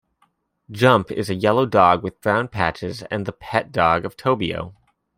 Jump is a yellow dog with brown patches and the pet dog of Tobio.